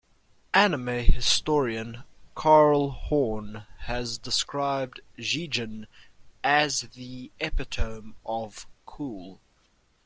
Anime historian Carl Horn has described Jigen as "The epitome of cool".